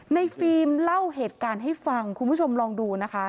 ฟิล์มเล่าเหตุการณ์ให้ฟังคุณผู้ชมลองดูนะคะ